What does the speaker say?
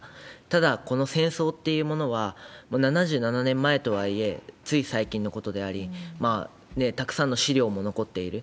ただ、この戦争っていうものは、もう７７年前とはいえ、つい最近のことであり、たくさんの資料も残っている。